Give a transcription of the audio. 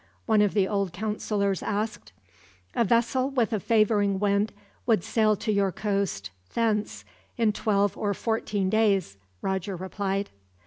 one of the old counselors asked. "A vessel with a favoring wind would sail to your coast, thence, in twelve or fourteen days," Roger replied.